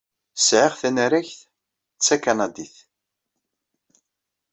Sɛiɣ tanaragt d takanadit.